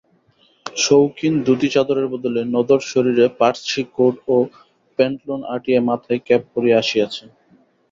শৌখিন ধুতিচাদরের বদলে নধর শরীরে পার্শি কোট ও প্যাণ্টলুন আঁটিয়া মাথায় ক্যাপ পরিয়া আসিয়াছে।